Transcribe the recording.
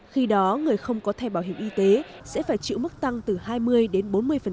khi đó người không có thẻ bảo hiểm y tế sẽ phải chịu mức tăng từ hai mươi đến bốn mươi